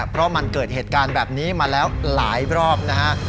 เพราะมันเกิดเหตุการณ์แบบนี้มาแล้วหลายรอบนะฮะ